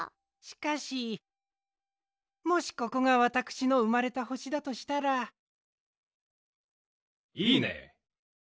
しかしもしここがわたくしのうまれた星だとしたら。いいね！